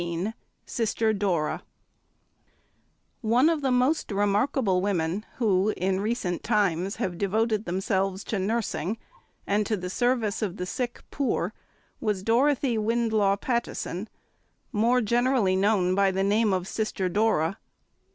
XIX SISTER DORA ONE of the most remarkable women who, in recent times, have devoted themselves to nursing and to the service of the sick poor, was Dorothy Wyndlaw Pattison, more generally known by the name of Sister Dora.